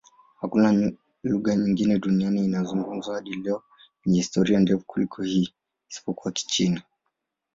Hakuna lugha nyingine duniani inayozungumzwa hadi leo yenye historia ndefu kuliko hii, isipokuwa Kichina.